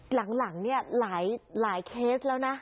หลังเนี่ยหลายเคสแล้วนะ